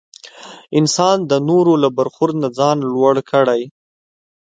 انسان د نورو له برخورد نه ځان لوړ کړي.